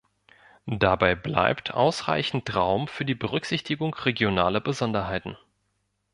Dabei bleibt ausreichend Raum für die Berücksichtigung regionaler Besonderheiten.